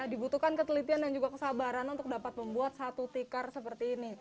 dibutuhkan ketelitian dan juga kesabaran untuk dapat membuat satu tikar seperti ini